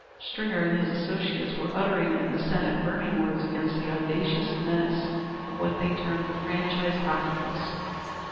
Stringer and his associates were uttering in the Senate burning words against the audacious menace of what they termed the franchise octopus.